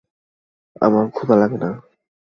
আমার ক্ষুধা লাগে না।